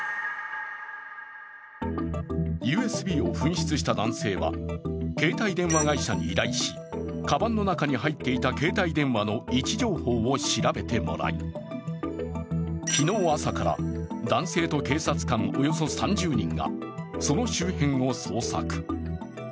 ＵＳＢを紛失した男性は、携帯電話会社に依頼しかばんの中に入っていた携帯電話の位置情報を調べてもらい昨日朝から男性と警察官およそ３０人がその周辺を捜索。